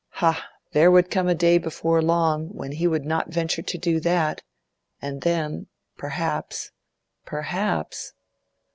Ha! there would come a day before long when he would not venture to do that, and then perhaps—perhaps!